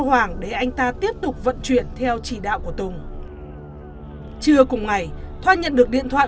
hoàng để anh ta tiếp tục vận chuyển theo chỉ đạo của tùng trưa cùng ngày thoa nhận được điện thoại